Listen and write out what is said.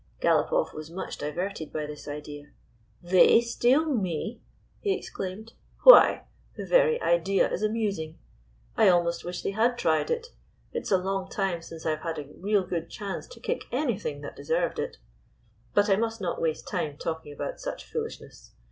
Galopoff was much diverted by this idea. " They steal me f " he exclaimed. " Why, the very idea is amusing! I almost wish they had tried it ! It is a long time since I have had a real good chance to kick anything that de served it. But I must not waste time talking about such foolishness.